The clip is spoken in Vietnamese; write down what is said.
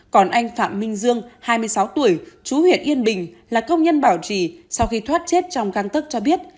còn anh phạm minh dương hai mươi sáu tuổi chú huyện yên bình là công nhân bảo trì sau khi thoát chết trong găng tức cho biết